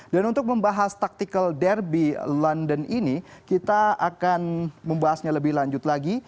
dan untuk membahas tactical derby london ini kita akan membahasnya lebih lanjut lagi